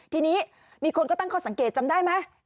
ทีนี้มีคนก็ตั้งข้อสังเกตจำได้ไหม